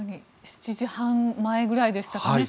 ７時半前ぐらいでしたかね。